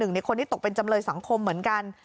ในคนที่ตกเป็นจำเลยสังคมเหมือนกัน